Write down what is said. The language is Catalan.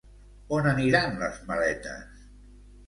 On aniran les maletes?